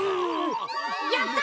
やった！